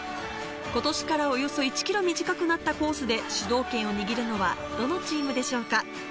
ことしからおよそ１ｋｍ短くなったコースで主導権を握るのはどのチームでしょうか？